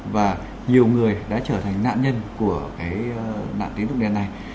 và nhiều người đã trở thành nạn nhân của cái nạn tín dụng đen này